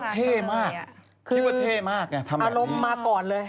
คิดว่าเท่มากครับทำแบบนี้อารมณ์มาก่อนเลย